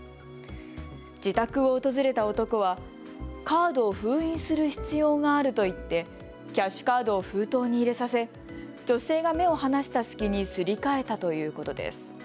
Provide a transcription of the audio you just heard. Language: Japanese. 自宅を訪れた男はカードを封印する必要があると言ってキャッシュカードを封筒に入れさせ女性が目を離した隙にすり替えたということです。